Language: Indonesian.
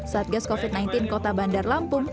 satgas covid sembilan belas kota bandar lampung